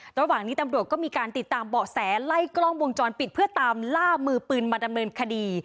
ระหว่างนี้ตำรวจก็มีการติดตามเบาะแสไล่กล้องวงจรปิดเพื่อตามล่ามือปืนมาดำเนินคดี